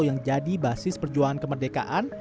yang jadi basis perjuangan kemerdekaan